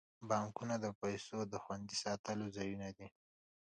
بانکونه د پیسو د خوندي ساتلو ځایونه دي.